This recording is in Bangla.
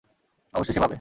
অবশ্যই সে পাবে।